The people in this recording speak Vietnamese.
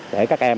để các em